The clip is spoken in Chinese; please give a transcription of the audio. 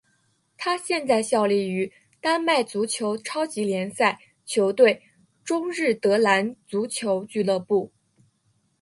他现在效力于丹麦足球超级联赛球队中日德兰足球俱乐部。